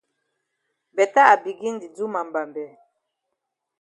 Beta I begin di do ma mbambe.